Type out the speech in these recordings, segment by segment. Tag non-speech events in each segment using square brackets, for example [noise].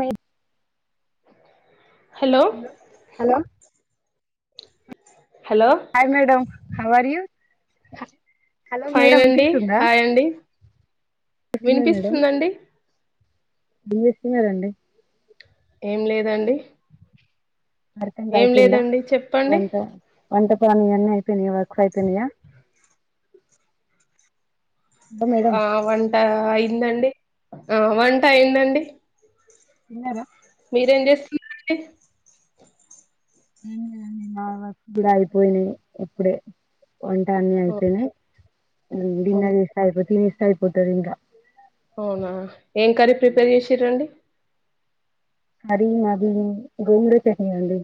అయి hello hello hello hi madam how are you hello madam fine అండి వినిపిస్తుందా hi అండి వస్తుంది మేడం వినిపిస్తుందండి ఏం చేస్తున్నారండి ఏం లేదండి వర్క్ అంతా ఏం అయిపోయిందా లేదండి చెప్పండి వంట వంట పని అన్ని అయిపోయినా వర్క్ అయిపోయిందియా ఆ వంట అయిందండి ఆ వంట అయిందండి తిన్నారా మీరేం చేస్తున్నారండి ఏ నా వ కూడా అయిపోయినాయి ఇప్పుడే వంట అన్ని ఓ అయితేనే ఓ డిన్నర్ ఇష్ట అయిపోతేని ఇష్ట అయిపోతు అంద అవునా ఏం కర్రీ ప్రిపేర్ చేసి రండి హరి మాది గోంగుర చట్నీ అడి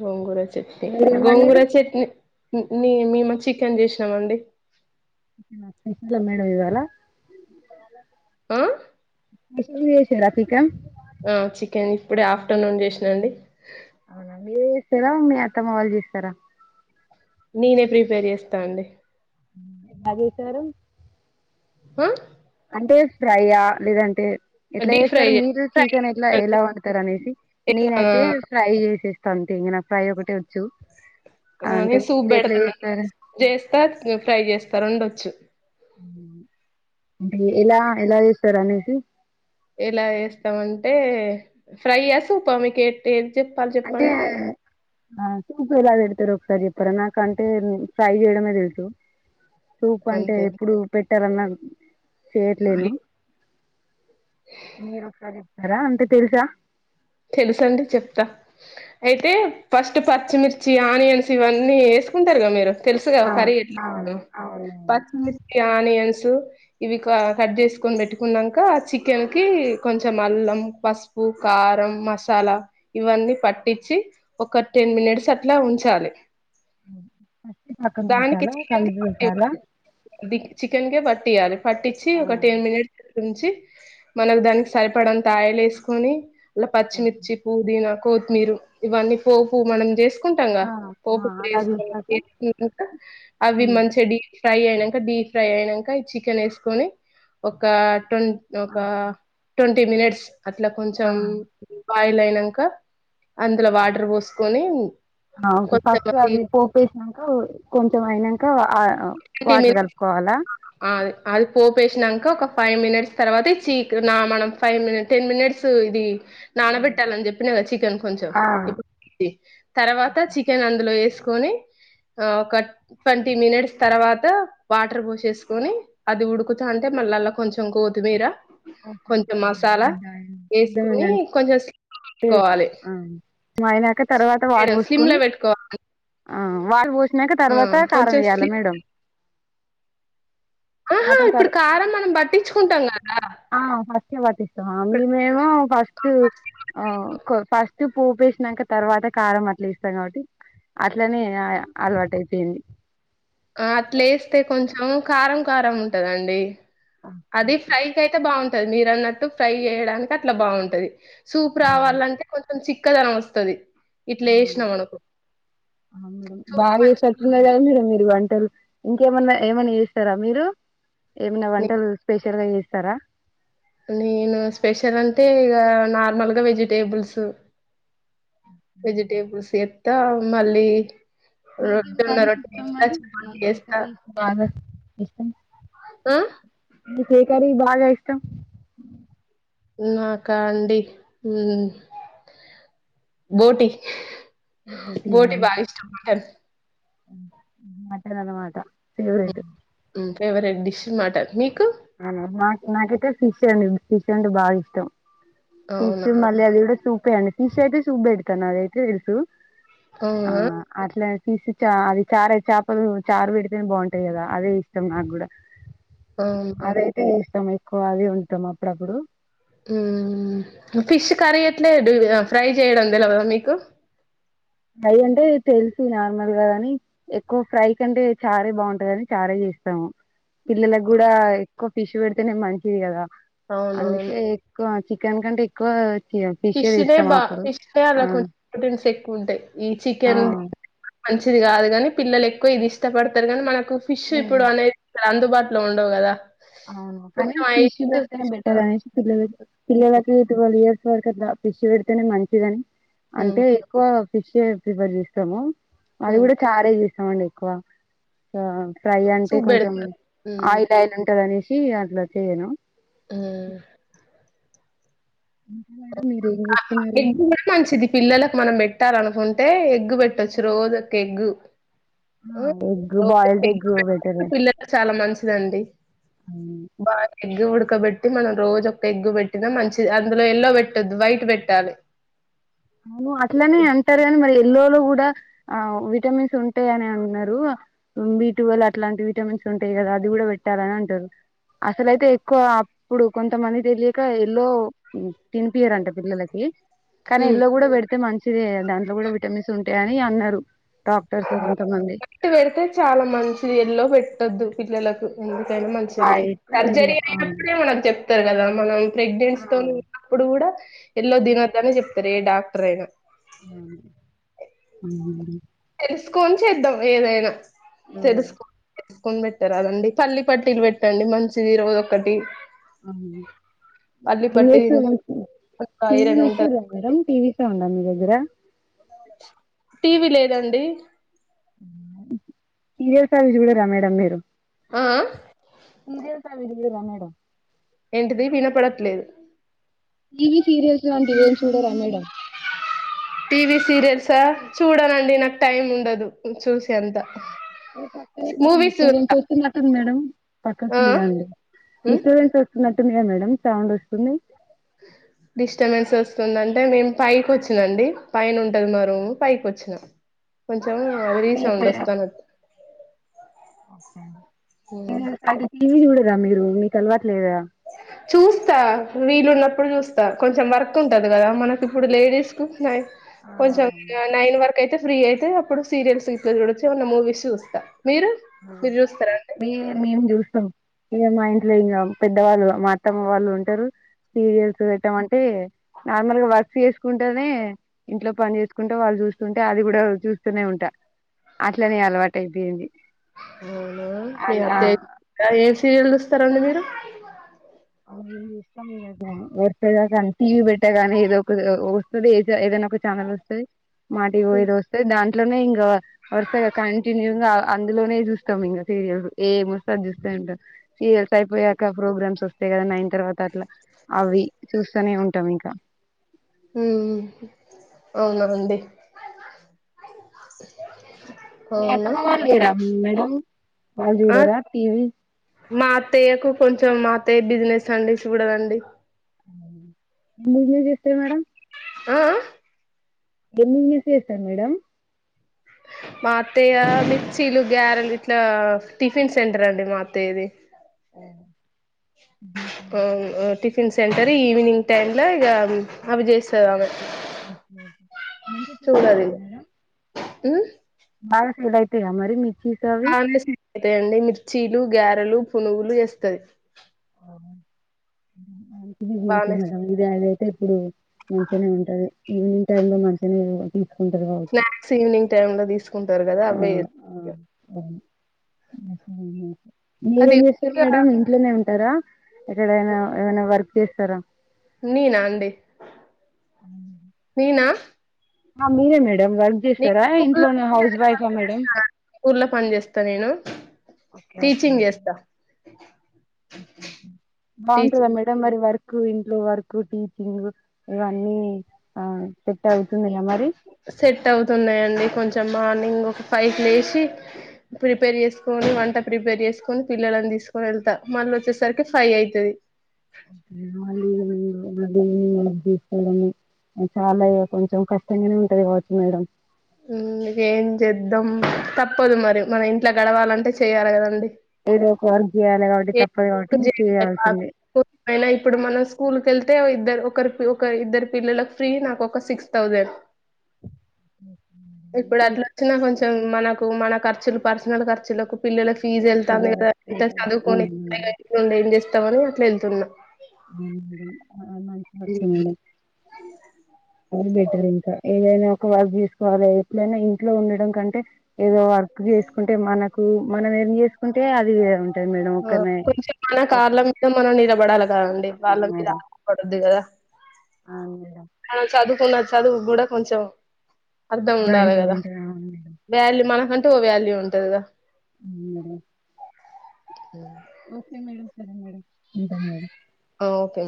గోంగూర చట్నీ గోంగూర వండిర్రు చట్నీ న మేం చికెన్ చేసినామ అండి [unintelligible] మేడం ఇవాలా ఆ [unintelligible] చేసేరా చికెన్ ఆ చికెన్ ఇప్పుడే ఆఫ్టర్నూన్ చేసినాండి అవునా మీరు చేస్తారా మీ అత్తమ్మ వాళ్ళు చేస్తారా నేనే ప్రిపేర్ చేస్తా అండి ఎలా చేసారు హా అంటే ఫ్రై ఆ లేదంటే ఎట్లా డీప్ ఫ్రై చేస్తారు చే మీరు ఫ్రై చికెన్ ఎట్లా చేస్తానండి ఎలా వడుతారు అనేసి నేనైతే ఎలా ఫ్రై చేసేస్తాను తెేంగనా ప్రై ఒకటే వచ్చు అని అంటే సూప్ మీరు ఎట్లా పెడతామ చేస్తారు చేస్తా ఫ్రై చేస్తా రండొచ్చు అంటే ఎలా ఎలా చేస్తారు అనేసి ఎలా వేస్తామంటే ఫ్రై ఆ సూప్ ఆ ఆ చెప్పాలి అంటే చెప్పండి ఆ చూపు ఎలాది పెడతారు ఒకసారి చెప్పారా నాకు అంటే ఫ్రై చేయడమే తెలుసు సూప్ అంటే అంతే ఎప్పుడు పెట్టారు అన్నారు ఏట్లేను మీరుసారి చెప్తారా అంటే తెలుసా తెలుసండి చెప్తా అయితే ఫస్ట్ పచ్చిమిర్చి ఆనియన్స్ ఇవన్నీ వ కు మీరు తెలుసు ఆ క్రరీ ఆ [unintelligible] అవును పచ్చిమిర్చి ఆనియన్స్ ఇ కట్ చే పెట్టుక చెన్ క కొంచం అల్లం పసు పు కారం మసాలా ఇవన్నీ పట్టించి ఒక టెన్ మినిట్స్ అట్లా ఉంచాలి ఫస్ట్ పక్కకు దానికి పెట్టాలా చెన్ కలిపి పెట్టాలా చికెన్ క బట్ట పట్టియాలి పట్టించి ఒక ఆ టెన్ మినిట్స్ ంచి మనకు దానికి సరిపడంత ఆయల్ వేసుకొని అలా ఓకే పచ్చిమిర్చి పుదీనా కొత్తిమీర ఇవన్నీ పోపు మనం చేసి కుంటా ఆ ఆ పోపు అలా వేసుక చేసాక వేకుక అవి ఉమ్ మంచిగా ఫ్రై అయనాక డీప్ ఫ్రై అయనాక చికెన్ వేసుకొని ఒక ట్ ఒక ఓకే ట్వంటీ మినిట్స్ అట్లా ఆ కొంచెం బాయిల్ అయినాక అందులో వాటర్ పోసుకొని ఆ ఓకే ఫస్ట్ అది పోపేసినాక కొంచం అయినాక [unintelligible] అది పోపు వేసినక ఇంక ఒక ఫైవ్ మినిట్స్ తర్వాత చీక్ మనం ఫైవ్ మిట్ టెన్ మినిట్స్ ఇది హ్మ్. నానబెట్టాలని చెప్పినా కదా చికెన్ కొంచెం ఆ ఇప్పుడు తర్వాత ఓకే చికెన్ అందులో ఎస్ కోని ఒక ట్వంటీ మినిట్స్ తర్వాత వాటర్ పోసేసుకుొని అది ఉడుకు తంటే మళ్ళ అల్ల కొంచెం కోత్తిమీర ఓకేఓకే మేడం వేసుకుని అవునా కొంచెం అద్ పెట్టుకోవాలి అ అయినాక తర్వాత వాటర్ మేడం స్లిమ్ పోసుకుొని లో పెట్టుకోవాలి ఆ వాళ్ పోసినాక తర్వాత కారం కొంచెం వయాలి స్లిమ్ మేడం ఆహా వాటర్ తర్ ఇప్పుడు కారం మనం పట్టించుకుంటాం కదా ఫస్ట్ే పట్తిస్తాం ఆ మేము ఫస్ట్ ఫస్ట్ క్ ఫ్ స్ట్ పోపెసినంక తర్వాత కారం అట్లా ఎస్తాం కాబట్టి అట్లనే ఆ అలవాటు అయిపోయింది ఆ అట్లే ఎస్తే కొంచెం కారం కారం ఉంటదండి ఆ అది ఫ్రై కైతే బాగుంటది మీరు అన్నట్టు ఫ్రై చేయడానికి అట్లా బాగుంటది సూప్ అవును రావాలంటే కొంచెం చిక్కదనం వస్తది అవున సూప్ బానే చ్చేసేటట్టున్నారు మంచిగుంటది. కదా మేడం మీరు వన్ టల్ ఇంకేమన్నా ఏమన్నా చేస్తారా మీరు ఏమనా నే వంటలు స్పెషల్ గా చేస్ స్తర నేను స్పెషల్ అంటే ఇగ నార్మల్గా వెజిటేబుల్స్ వెజిటేబుల్స్ చేత్త మళ్ళీ రో మీకేం కర్రీస్ రోట్టున్ను ఇష్టం చేస్తా మరి ఏ చ ఏ చేస్తా కర్రీస్ బాగా ఆ కేకరి బాగా ఇష్టం నాకా అండి మ్ బోటి బోటి బగీష్టం మటన్ మాటనన్న మాట మ్ ఫేవరేట్ డిష్ మాటన్ మీ ఫిష్ంటే బాగా ఇష్టం ఫిష్ అవునా! మళ్ళి అది కూడా సూపె అండి ఫిష్ అయితే సుప్ బెడుతాను అదైతే తెలుసు ఆ అవునా అట్లా ఫిష్ చ అది చారే చేపలు చారు పెడితేనే బాగుంటాయి కదా అదే ఇష్టం నాకు కూడా అవునా! అదైతే చేస్తాం ఎక్కువ అదే వండుతాం అప్పుడప్పుడు మ్ ఫిష్ కర్రీ ఎట్లే మ్ ఫ్రై చేయడం తెలువదా మీకు ఫ్రై అంటే తెలిసిగ నార్మల్ గాని ఎక్కువ ఫ్రై కంటే చారే బాగుంటది కాని చారే ఇస్తాం పిల్లలకి కూడా ఎక్కువ ఫిష్ పెడితేనే మంచిది కదా అవునవును. అందుకే ఎక్కువ చి కనుకంటే ఎక్కువ ఫిష్ ఫిష్ినే చేస్తాం బా అప్పుడు ఫిష్ అలా ఆ కొంచెం ప్రోటీన్స్ ఎక్కు ఉంటాయ్ ఈ ఆ! చికెన్ మంచిది కాదు కాని పిల్లలు ఎక్కువ ఇది ఇష్టపడతారు కానీ మనకు ఫిష్ హ్మ్. ఇప్పుడు అనేది అందుబాటులో ఉండవు కదా అవును కానీ ఫిష్ పెడితేనే బెటర్ కావాలి. అనేసి పిల్లక్ పిల్ల ట్వెల్వ్ ఇయర్స్ వరకు అట్లా ఫిష్ పెడుతేనే మంచిదని హ్మ్. అంటే ఎక్కువ ఫిష్ ఏ పీపర్ చస్తాము అది హ్మ్. కూడా చారే చేస్తామండి ఎక్కువ ఫ్రై అంటే సూప్ కొంచెం బెడతారు. హ్మ్. ఆయిల్ ఆయిల్ ఉంటది అనేసి అట్లా చేయను హ్మ్. ఇంకా మేడం మీరు ఏం చేస్తున్నారు ఎగ్ కూడా మంచిది పిల్లలకు మనం పెట్ పెట్టాలనుకుంటే ఎగ్గు పెట్టచ్చు రోజొక్క ఎగ్గు ఎగ్ ఆ బాయిల్డ్ ఎగ్ బెటరే [unintelligible] పిల్లలకు చాలా మంచి దండి బా తి ఎగ్ ఉడుకబెట్టి మనం రోజ్ ఒక్క ఎగ్ పెట్టినా మంచి అందులో ఎల్లో పెట్టోద్దూ వైట్ పెట్టాలి అవును అట్లనే అంటారు కాని మళ్ళీ ఎల్లోలో కూడా ఆ విటమిన్స్ ఉంటాయి అని అన్నారు బీ టు వల్ల అట్లాంటి విటమిన్స్ ఉంటాయి కదా అది కూడా పెట్టాలని అంటారు అసలుయితే ఎక్కువ అప్పుడు కొంతమంది తెలియక ఎల్లో తినిపియారంట పిల్లలకి హూ కానీ ఎల్లో కూడా పెడితే మంచిదే దాంట్లో కూడా విటమిన్స్ ఉంటాయి అని అన్నారు డాక్టర్స్ కొంతమంది వైట్ పెడితే చాలా మంచిది ఎల్లో పెట్టొద్దు పిల్లలకు ఎందుక మంచిది వైట్ సర్జరీ ఎల్లో ఆ అయినప్పుడే మనకు చెప్తారు కదా మనం ఆ ప్రెగ్నెంన్స్ తోనీ ఉన్నప్పుడు కూడా ఎల్లో తినద్దనే చెప్తారు ఏ డాక్టర్ అయినా అవును. అవునండి. తెలుసుకొని చేద్దాం ఏదైనా ఆ! తెలుసుకోని పెట్టారుదండి పల్లి పట్టీలు పెట్టండి మంచిది రోజు ఒకటి అవును పల్లి ఏం పట్టి చేస్తూరు తింటే అక్కడ టీవీ ఐరన్ ఉంటది చూస్తారా కాబట్టి మేడమ్ టీవీ సౌండ్ ఆ మీ దగ్గర టీవీ లేదండి సరియల్స్ అవి చూడరా మేడం మీరు ఆ సీరియల్స్ అవి చూడరా మేడం ఎంటిది వినపడట్లేదు టీవి సీరియల్స్ లాంటివి ఏం చూడరా మేడం సా చూడనండి నాకు టైమ్ ఉండదు చూసే అంత మూవీస్ చూస్తా [unintelligible] మేడం ఆ పక్కకెయి రండి ఉ డిస్టర్బెన్స్ వస్తున్నట్టుందిగా మేడం సౌండ్ వస్తుంది డిస్టర్బెన్స్ వస్తుందింటే మేము పైకి వచ్చినండి పైన ఉంటది మ రూమ్ పైకి వచ్చినా కొంచం [unintelligible] అంటే టీవీ చూడరా మీరు మీకు అలవాటు లేదా చూస్తా వీలు ఉన్నప్పుడు చూస్తా కొంచెం వర్క్ ఉంటది కదా మనకి ఇప్పుడు లేడీస్ కు కొంచెం ఆ! నైన్ వరకు అయితే ఫ్రీ అయితే అప్పుడు సీరియల్స్ గిట్ల చూడొచ్చు ఏమన్న మూవీస్ చూస్తా మీరు మీరు చూస్తారా అండి టీవీ మేము చూస్తాం ఇక మా ఇంట్లో ఇంకా పెద్దవాళ్ళు మా అత్తమ్మ వాళ్ళు ఉంటారు సీరియల్స్ పెట్టమంటే నార్మల్గా వర్క్ చేసుకుంటనే ఇంట్లో పని చేసుకుంటే వాళ్ళు చూస్తుంటే అది కూడా చూస్తనే ఉంటా అట్లనే అలవాటు అయిపోయింది అవునా మీ ఆ అత్తయా ఏం సీరియల్ చూస్తారండి మీరు [unintelligible] వస్తాది టీవీ పెట్టాగానీ ఏదో ఒక వస్తుంది ఏదనా ఒక [unintelligible] వస్తాది మా టీవీ ఏదో ఓస్తాది ఇట్లోనే ఇంకా వరుసగా కంటిన్యూ గా అందులోనే చూస్తాం ఇంకా సీరియల్స్ ఏం వస్తె అవి చూస్తా సీరియల్స్ అయిపోయాక ప్రోగ్రామ్స్ వస్తాయి కదా నైన్ తర్వాత అట్లా అవి చూస్తనే ఉంటాం ఇంకా హ అవున అండి మీ అవునా అత్తమ్మ వాళ్ళు కూడా నా మేడమ్ ఆ మా తయ్యకు కొంచెం మా అ బిజినెస్ అండి చూడదండి [unintelligible] మేడమ్ ఆ బిజినెస్ ఏం చేస్తారు మేడం మా అత్తయ్య మిర్చీలు గ్యారెలు ఇట్లా టిఫిన్ సెంటర్ అండి మా అత్తయ్యది అవున టిఫిన్ సెంటర్ ఈవినింగ్ టైమ్ లో ఇక అవి చేస్తాది ఆమె అే చూడండి హు బా సీల అయితేగా మరి మీ [unintelligible] అవుతాయండి మిర్చీలు గారెలు పునుగులు చేస్తది ఆ బానే ఇిన మడ ఇది అద అయితే ఇప్పుడు మంచిగానే ఉంటది ఈవినింగ్ టైమ్ లో మంచిగానే తీసుకుంటారు కావచ్చు స్నాక్స్ ఈవినింగ్ టైమ్ లో తీసుకుంటారు కదా ఆ అవే ఆ అవును. అది మీరేం చేస్తారు మేడంమ్ ఇంట్లోనే ఉంటార ఎక్కడైనా ఏమైనా వర్క్ చేస్తారా నేన అండి నేన ఆ మీరే మేడం వర్క్ చేస్తారా ఇంట్లో స్కూల్లో హౌస్ టీచర్ గా వైఫా వర్క్ మేడ చేస్తాను స్కూల్లో పని చేస్తా నేను ఓకే ఓకే టీచింగ్ మేడం చేస్తా బాగుంటందా టీచింగ్ మేడం మరి వర్ ఇంట్లో వర్క్ టీచింగ్ ఇవన్నీ ఆ సెట్ అవుతున్నా అంటే కొంచెం మార్నింగ్ ఒక ఫైవ్కి లేచి ప్రిపేర్ చేసుకొని వంట ప్రిపేర్ చేసుకొని పిల్లలని తీసుకొని వెళ్తా మళ్ళీ వచ్చేసరికి ఫై్ అవుతుది [unintelligible] చాలా కొంచెం కష్టంగానే ఉంటది కావచ్చు మేడం క ఏం చేద్దాం తప్పదు మరి మన ఇంట్లో గడవాలంటే చెయాలి కదండి ఏదో ఒక వర్క్ చేయ్యాలి కాబట్టి ఏ తప్పదు కాబట్టి ను్వు చేయాల్సిందే అయినా ఇప్పుడు మనం స్కూల్ కెళ్తే ఇద్దరు ఒకరి ఒక ఇద్దరు పిల్లలకు ఫ్రీ నాకు ఒక సిక్స్ థౌజండ్ ఇప్పుడు అట్లా వచ్చినా కొంచెం మనకు మన ఖర్చులు పర్సనల్ ఖర్చులకు పిల్లలకి ఫీజ్ వెళ్తాంది కదా ఇలా చదువుకొనిం ఏం చేస్తామని అట్లా వెళ్తున్నాం మంచి వర్కుడం అది బెటర్ ఇంకా ఏదైనా ఒక వర్క్ చేసుకోవాలి ఎట్లనా ఇంట్లో ఉండడం కంటే ఏదో వర్క్ చేసు కుంటే మనకు మనం ఏం చేసుకుంటే అది ఉంట ఆ కొంచెం మన కళ్ళ మీద మనం నిలబడాలి కదండి వాళ్ళ మీద ఆలపడద్ది కదా అ న్న చదువు కూడా కొంచెం అర్ధం ఉండాలి బాగా కదా ఉంటది అవును మేడం బ మనకంటే మనకంటూ వాల్యూ ఉంటది కదా అ ఉ ఓకే మేడం సరే మేడం ఉంటాను మేడం ఆ! ఓకే